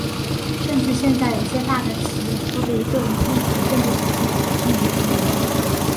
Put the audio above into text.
甚至现在有些大的企业或被一个人控制的政治实体也被称为帝国。